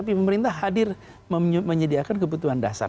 tapi pemerintah hadir menyediakan kebutuhan dasar